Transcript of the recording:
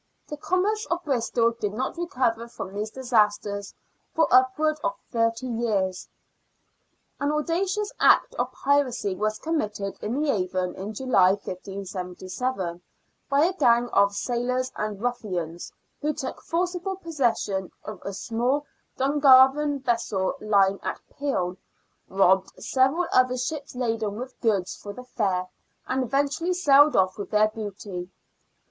The com merce of Bristol did not recover from these disasters for upwards of thirty years. An audacious act of piracy was committed in the Avon in July, 1577, by a gang of sailors and ruffians, who took forcible possession of a small Dungarven vessel lying at Pill, robbed several other ships laden with goods for the fair, and eventually sailed off with their booty.